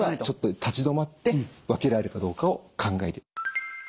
ちょっと立ち止まって分けられるかどうかを考える。